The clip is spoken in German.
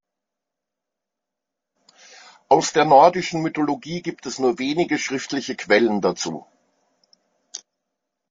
Aus der nordischen Mythologie gibt es nur wenige schriftliche Quellen dazu.